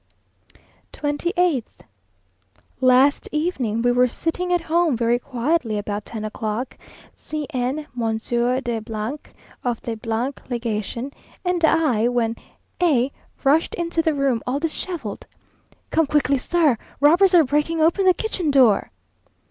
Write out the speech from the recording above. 28th. Last evening we were sitting at home very quietly about ten o'clock, C n, Monsieur de , of the Legation, and I, when A rushed into the room all dishevelled. "Come quickly, sir! Robbers are breaking open the kitchen door!"